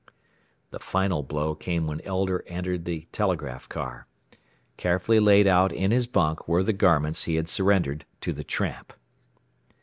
The final blow came when Elder entered the telegraph car. Carefully laid out in his bunk were the garments he had surrendered to the "tramp."